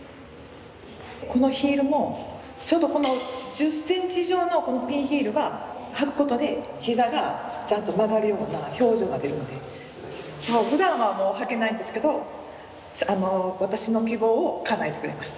このヒールもちょうどこの１０センチ以上のピンヒールを履くことで膝がちゃんと曲がるような表情が出るのでふだんはもう履けないんですけど私の希望をかなえてくれました。